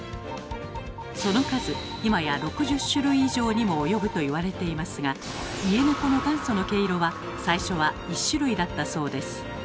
その数今や６０種類以上にも及ぶと言われていますが家ネコの元祖の毛色は最初は１種類だったそうです。